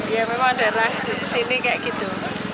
ya memang ada lah sini kayak gitu